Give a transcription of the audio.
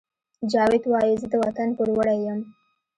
جاوید وایی زه د وطن پوروړی یم